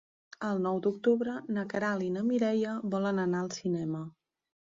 El nou d'octubre na Queralt i na Mireia volen anar al cinema.